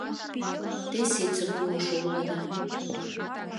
Те ситце куышо улыда.